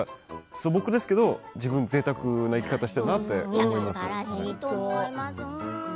素朴ですけど自分は、ぜいたくな生き方をしているなと思います。